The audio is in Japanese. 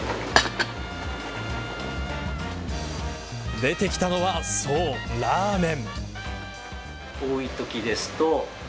出てきたのは、そうラーメン。